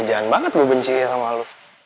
njayang gue lagi joeras sedar